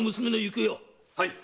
はい。